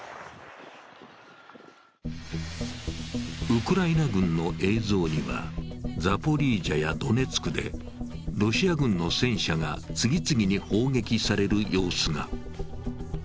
ウクライナ軍の映像には、ザポリージャやドネツクでロシア軍の戦車が次々に砲撃される様子が。